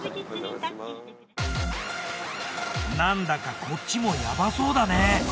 なんだかこっちもヤバそうだね。